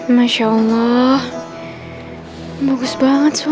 masya allah bagus banget